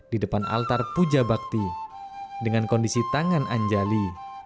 di depan altar puja bakti dengan kondisi tangan anjali